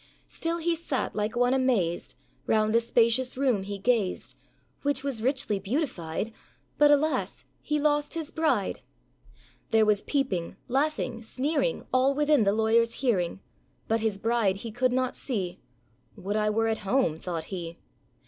Still he sat like one amazed, Round a spacious room he gazed, Which was richly beautified; But, alas! he lost his bride. There was peeping, laughing, sneering, All within the lawyerâs hearing; But his bride he could not see; âWould I were at home!â thought he.